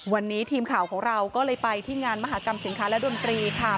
วันนี้ทีมข่าวของเราก็เลยไปที่งานมหากรรมสินค้าและดนตรีค่ะ